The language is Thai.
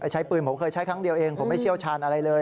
ใช้ปืนผมเคยใช้ครั้งเดียวเองผมไม่เชี่ยวชาญอะไรเลย